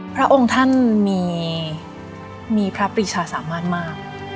พระองค์ท่านมีพระปริชาสามารถมาก